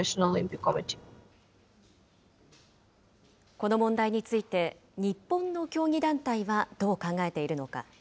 この問題について、日本の競技団体はどう考えているのか。